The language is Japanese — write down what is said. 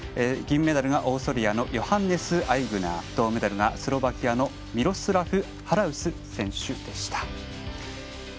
銀メダルがオーストリアヨハンネス・アイグナー銅メダルがスロバキアのミロスラフ・ハラウス選手でした。